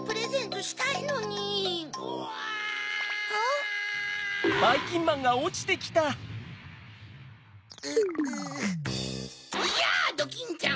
ドンやぁドキンちゃん！